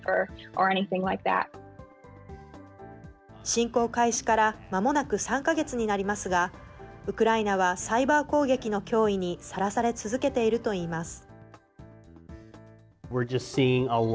侵攻開始からまもなく３か月になりますが、ウクライナはサイバー攻撃の脅威にさらされ続けているといいます。